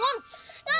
gak mau pergi